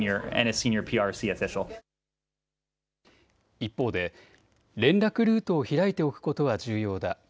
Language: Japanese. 一方で連絡ルートを開いておくことは重要だ。